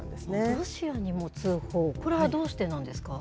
ロシアにも通報これはどうしてなんですか。